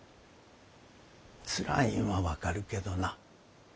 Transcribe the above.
つらいんは分かるけどな。